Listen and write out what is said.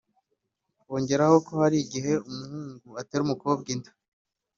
Bongeraho ko hari igihe umuhungu atera umukobwa inda